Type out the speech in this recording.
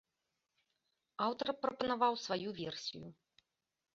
Аўтар прапанаваў сваю версію.